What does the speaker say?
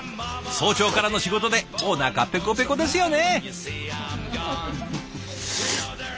早朝からの仕事でおなかぺこぺこですよね！